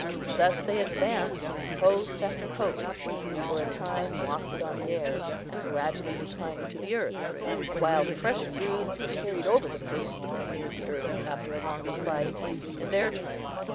Thus they advanced, host after host, for a time wafted on the air, and gradually declining to the earth, while fresh broods were carried over the first, and neared the earth, after a longer flight, in their turn.